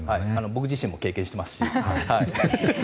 僕自身も経験していますし。